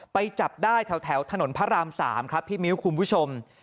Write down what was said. ไปจับได้แถวถนนพระราม๓ครับพี่มิ้วคุณผู้ชม